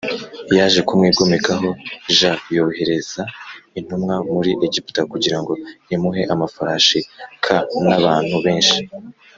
yaje kumwigomekaho j yohereza intumwa muri Egiputa kugira ngo imuhe amafarashi k n abantu benshi